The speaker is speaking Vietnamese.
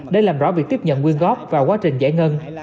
để làm rõ việc tiếp nhận nguyên góp và quá trình giải ngân